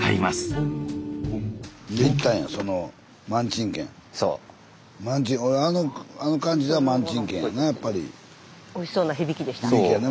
スタジオおいしそうな響きでしたね。